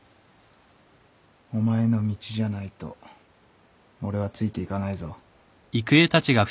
お前の道じゃないと俺はついていかないぞ。